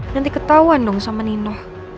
nanti ketahuan dong sama nino